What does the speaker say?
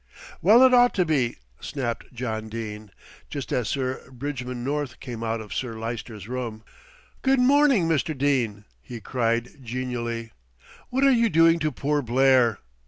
"Well, it ought to be," snapped John Dene, just as Sir Bridgman North came out of Sir Lyster's room. "Good morning, Mr. Dene," he cried genially. "What are you doing to poor Blair?"